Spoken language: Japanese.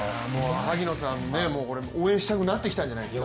萩野さん、応援したくなってきたんじゃないですか。